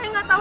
saya gak tau